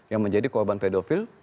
yang menjadi korban pedofil